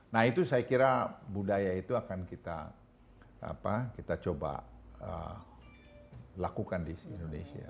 nah itu saya kira budaya itu akan kita coba lakukan di indonesia